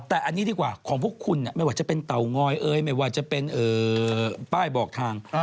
แต่อันนี้ดีกว่าของพวกคุณไม่ว่าจะเป็นเตางอยไม่ว่าจะเป็นป้ายบอกทาง